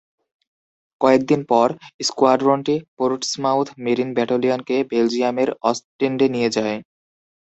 কয়েক দিন পর, স্কোয়াড্রনটি পোর্টসমাউথ মেরিন ব্যাটালিয়নকে বেলজিয়ামের অসটেন্ডে নিয়ে যায়।